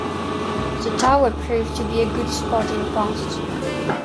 The tower proved to be a good spotting post.